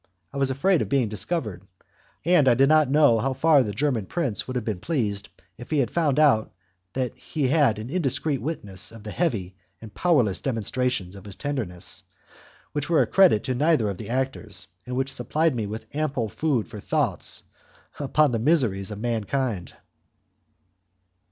I was afraid of being discovered, and I did not know how far the German prince would have been pleased if he had found out that he had an indiscreet witness of the heavy and powerless demonstrations of his tenderness, which were a credit to neither of the actors, and which supplied me with ample food for thoughts upon the miseries of mankind.